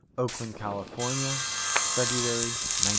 OAKLAND, CALIFORNIA. February 1900.